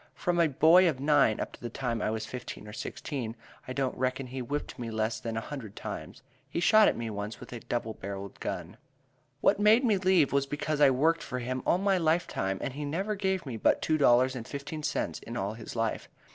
From a boy of nine up to the time I was fifteen or sixteen, I don't reckon he whipped me less than a hundred times. He shot at me once with a double barrelled gun. "What made me leave was because I worked for him all my life time and he never gave me but two dollars and fifteen cents in all his life.